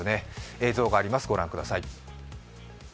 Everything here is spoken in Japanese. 映像があります、ご覧ください。